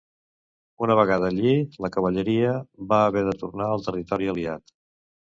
Una vegada allí, la cavalleria va haver de tornar al territori aliat.